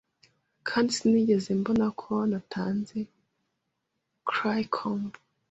Kandi sinigeze mbona ko natanze currycomb